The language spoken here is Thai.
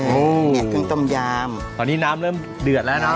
เหมือนกับคุณตนยามตอนนี้น้ำเริ่มเดือดแล้วเนอะ